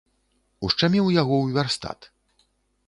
Ушчаміў яго ў вярстат.